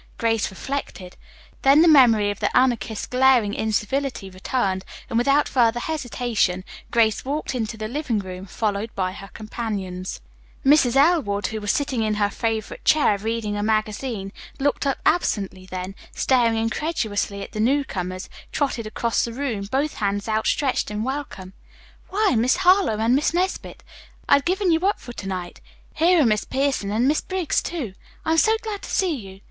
Grace reflected. Then the memory of the Anarchist's glaring incivility returned, and without further hesitation Grace walked into the living room, followed by her companions. Mrs. Elwood, who was sitting in her favorite chair reading a magazine, looked up absently, then, staring incredulously at the newcomers, trotted across the room, both hands outstretched in welcome. "Why, Miss Harlowe and Miss Nesbit, I had given you up for to night. Here are Miss Pierson and Miss Briggs, too. I'm so glad to see you.